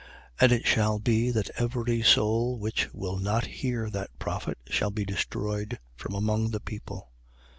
3:23. And it shall be, that every soul which will not hear that prophet shall be destroyed from among the people.